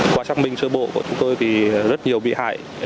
qua xác minh sơ bộ của chúng tôi thì rất nhiều bị hại